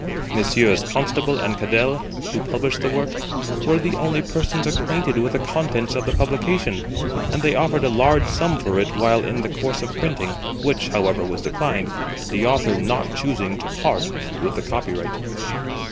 Messrs. Constable and Cadell, who published the work, were the only persons acquainted with the contents of the publication, and they offered a large sum for it while in the course of printing, which, however, was declined, the Author not choosing to part with the copyright.